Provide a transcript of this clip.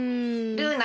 ルーナ。